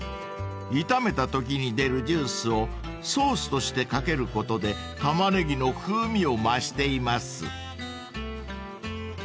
［炒めたときに出るジュースをソースとして掛けることでタマネギの風味を増しています］